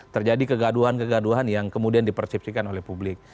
terjadi kegaduhan kegaduhan yang kemudian dipersepsikan oleh publik